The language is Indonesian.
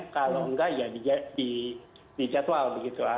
kalau enggak ya di jadwal begitu